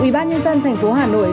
ủy ban nhân dân thành phố hà nội